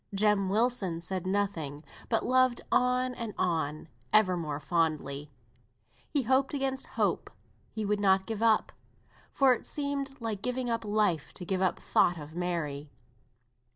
Jem Wilson said nothing, but loved on and on, ever more fondly; he hoped against hope; he would not give up, for it seemed like giving up life to give up thought of Mary.